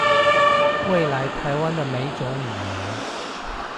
未來臺灣的每種語言